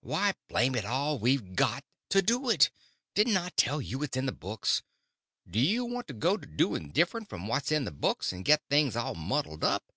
"Why, blame it all, we've got to do it. Don't I tell you it's in the books? Do you want to go to doing different from what's in the books, and get things all muddled up?"